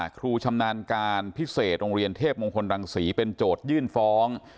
ครูชำนาญการพิเศษโรงเรียนเทพมงคลรังศรีเป็นโจทยื่นฟ้อง